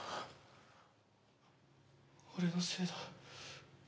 俺のせいだ。